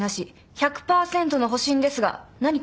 １００％の保身ですが何か？